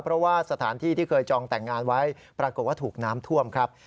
เพราะว่าสถานที่ที่เคยจองแต่งงานไว้ปรากฏว่าถูกน้ำท่วมครับ